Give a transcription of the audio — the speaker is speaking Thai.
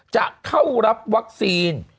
จะเข้ารับวัคซีน